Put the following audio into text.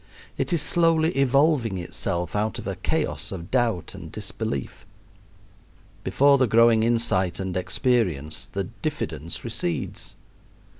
It is slowly evolving itself out of a chaos of doubt and disbelief. Before the growing insight and experience the diffidence recedes.